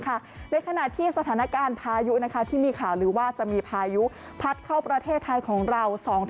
ในขณะที่สถานการณ์พายุที่มีข่าวลือว่าจะมีพายุพัดเข้าประเทศไทยของเรา